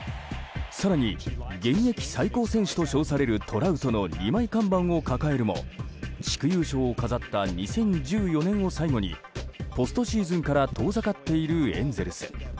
更に現役最高選手と称されるトラウトの２枚看板を抱えるも地区優勝を飾った２０１４年を最後にポストシーズンから遠ざかっているエンゼルス。